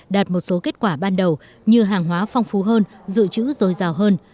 đạt một số kết quả ban đầu như hàng hóa phong phú hơn dự trữ dồi dào hơn